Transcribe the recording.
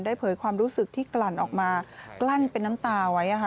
เผยความรู้สึกที่กลั่นออกมากลั้นเป็นน้ำตาไว้